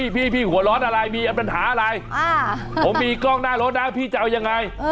พี่หัวร้อนอะไรมีปัญหาอะไรผมมีกล้องหน้ารถนะพี่จะเอายังไง